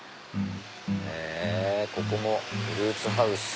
ここも「フルーツハウス」。